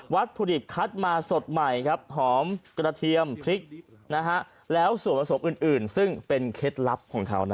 วัตถุดิบคัดมาสดใหม่ครับหอมกระเทียมพริกแล้วส่วนผสมอื่นซึ่งเป็นเคล็ดลับของเขา